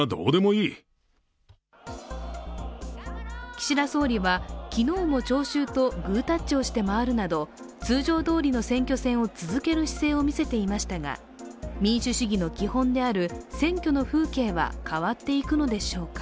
岸田総理は昨日も聴衆とグータッチをして回るなど通常どおりの選挙戦を続ける姿勢を見せていましたが、民主主義の基本である選挙の風景は変わっていくのでしょうか。